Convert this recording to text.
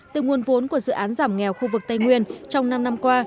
từ nguồn vốn của dự án giảm nghèo khu vực tây nguyên trong năm năm qua